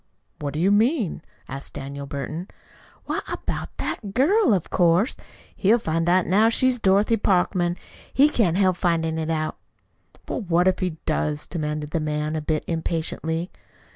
"What do you mean?" asked Daniel Burton. "Why, about that girl, of course. He'll find out now she's Dorothy Parkman. He can't help findin' it out!" "Well, what if he does?" demanded the man, a bit impatiently.